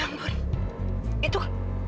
akumudalnya dapat bantuan